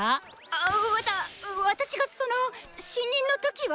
⁉あわたっ私がそのっ新任の時は！